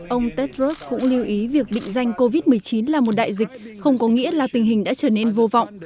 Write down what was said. ông tetross cũng lưu ý việc định danh covid một mươi chín là một đại dịch không có nghĩa là tình hình đã trở nên vô vọng